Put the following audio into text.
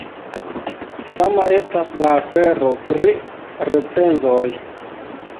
Sama estas la afero pri recenzoj.